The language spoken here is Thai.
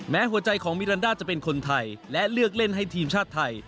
หัวใจของมิรันดาจะเป็นคนไทยและเลือกเล่นให้ทีมชาติไทย